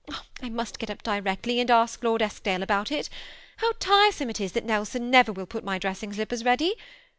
I must get up directly and ask Lord Eskdale about it How tiresome it is that Nelson never will put my dressing slippers ready!